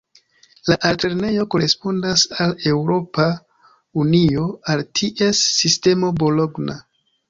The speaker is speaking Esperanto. La altlernejo korespondas al Eŭropa Unio al ties sistemo Bologna.